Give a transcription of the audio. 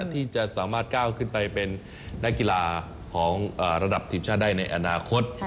ที่จะสามารถก้าวขึ้นไปเป็นนักกีฬาของระดับทีมชาติได้ในอนาคต